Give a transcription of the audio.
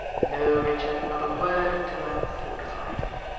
"No, Richard, not a word until I am fortified.